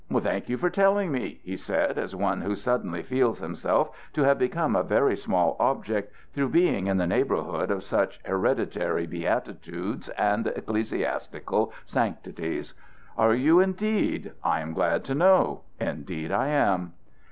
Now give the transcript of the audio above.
"Thank you for telling me," he said as one who suddenly feels himself to have become a very small object through being in the neighborhood of such hereditary beatitudes and ecclesiastical sanctities. "Are you, indeed? I am glad to know. Indeed, I am!"